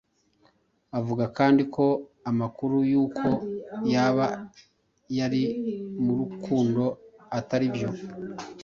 Avuga kandi ko amakuru yuko yaba yari mu rukundo ataribyo